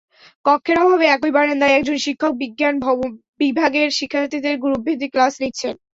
কক্ষের অভাবে একই বারান্দায় একজন শিক্ষক বিজ্ঞান বিভাগের শিক্ষার্থীদের গ্রুপভিত্তিক ক্লাস নিচ্ছেন।